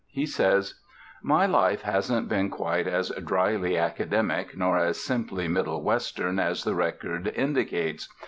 He says: "My life hasn't been quite as dryly 'academic,' nor as simply 'middle Western,' as the record indicates.